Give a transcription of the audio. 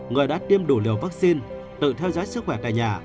người đã tiêm đủ liều vaccine tự theo dõi sức khỏe tại nhà